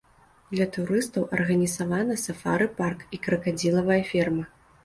Для турыстаў арганізаваны сафары-парк і кракадзілавая ферма.